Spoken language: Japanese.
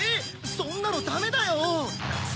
そんなのダメだよ！